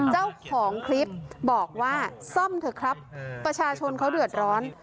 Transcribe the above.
เจ้าของคลิปบอกว่าซ่อมเถอะครับประชาชนเขาเดือดร้อน